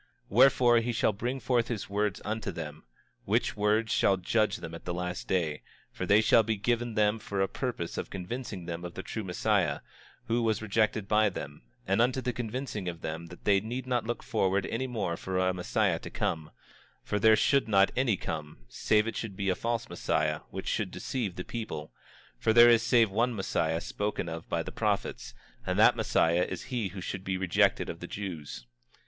25:18 Wherefore, he shall bring forth his words unto them, which words shall judge them at the last day, for they shall be given them for the purpose of convincing them of the true Messiah, who was rejected by them; and unto the convincing of them that they need not look forward any more for a Messiah to come, for there should not any come, save it should be a false Messiah which should deceive the people; for there is save one Messiah spoken of by the prophets, and that Messiah is he who should be rejected of the Jews.